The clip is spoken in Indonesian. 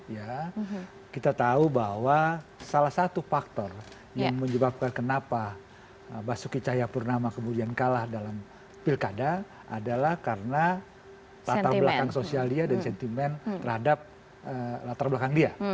ya kita tahu bahwa salah satu faktor yang menyebabkan kenapa basuki cahayapurnama kemudian kalah dalam pilkada adalah karena latar belakang sosial dia dan sentimen terhadap latar belakang dia